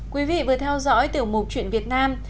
quý vị vừa theo dõi tiểu mục chuyện việt nam